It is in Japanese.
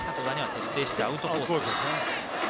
徹底してアウトコースでしたね。